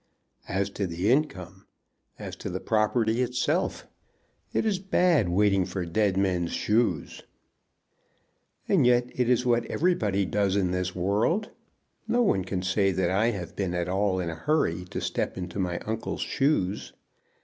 "As to the income! As to the property itself. It is bad waiting for dead men's shoes." "And yet it is what everybody does in this world. No one can say that I have been at all in a hurry to step into my uncle's shoes.